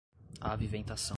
aviventação